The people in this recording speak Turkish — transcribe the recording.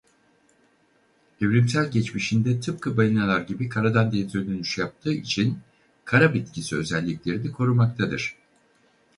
Evrimsel geçmişinde tıpkı balinalar gibi karadan denize dönüş yaptığı için kara bitkisi özelliklerini korumaktadır.